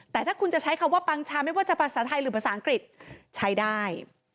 แต่ถ้าคุณจะใช้คำว่าปังชาไม่ว่าจะภาษาไทยหรือภาษาอังกฤษใช้ได้